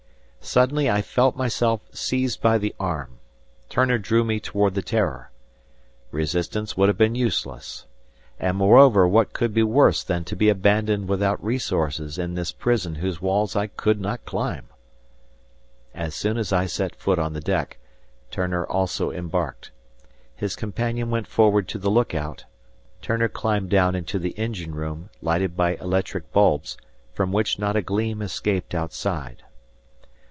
Suddenly I felt myself seized by the arm. Turner drew me toward the "Terror." Resistance would have been useless. And moreover what could be worse than to be abandoned without resources in this prison whose walls I could not climb! As soon as I set foot on the deck, Turner also embarked. His companion went forward to the look out; Turner climbed down into the engine room, lighted by electric bulbs, from which not a gleam escaped outside.